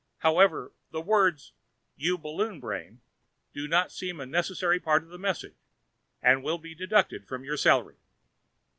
However, the words "you balloon brain" do not seem a necessary part of that message and will be deducted from your salary.